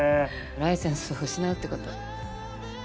ライセンスを失うってこと。